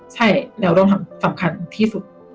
ใช่แนวร่วมสำคัญที่สุด